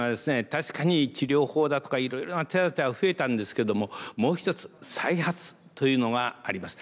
確かに治療法だとかいろいろな手当ては増えたんですけどももう一つ再発というのがあります。